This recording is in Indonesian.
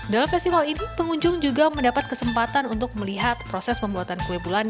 dalam festival ini pengunjung juga mendapat kesempatan untuk melihat proses pembuatan kue bulan